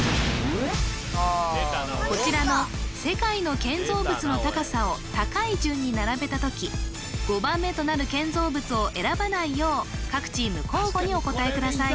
こちらの世界の建造物の高さを高い順に並べた時５番目となる建造物を選ばないよう各チーム交互にお答えください